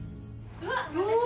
うわ！